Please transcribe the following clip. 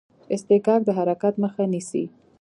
اصطکاک د حرکت مخه نیسي.